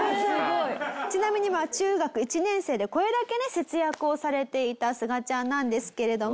ちなみに中学１年生でこれだけね節約をされていたすがちゃんなんですけれども。